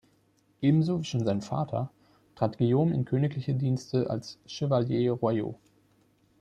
Ebenso wie schon sein Vater trat Guillaume in königliche Dienste als "chevalier royaux".